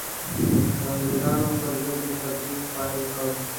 د انګرېزانو پر ضد یې تبلیغ پیل کړ.